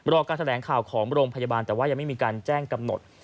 การแถลงข่าวของโรงพยาบาลแต่ว่ายังไม่มีการแจ้งกำหนด